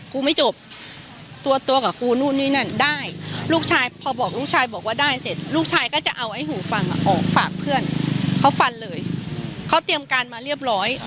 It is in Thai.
กูไม่จบตัวตัวกับกูนู่นนี่นั่นได้ลูกชายพอบอกลูกชายบอกว่าได้เสร็จลูกชายก็จะเอาไอ้หูฟังออกฝากเพื่อนเขาฟันเลยเขาเตรียมการมาเรียบร้อย